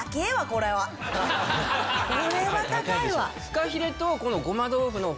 これは高いわ！